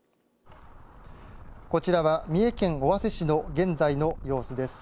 こちらは三重県尾鷲市の現在の様子です。